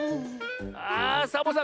あっサボさん